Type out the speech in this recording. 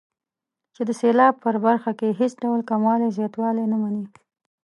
چې د سېلاب په برخه کې هېڅ ډول کموالی او زیاتوالی نه مني.